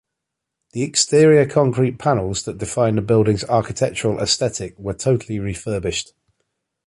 The exterior concrete panels that define the building's architectural aesthetic were totally refurbished.